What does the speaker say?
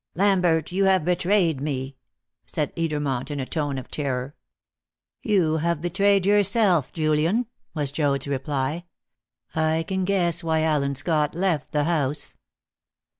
"Lambert, you have betrayed me!" said Edermont in a tone of terror. "You have betrayed yourself, Julian," was Joad's reply. "I can guess why Allen Scott left the house."